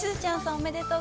◆おめでとう。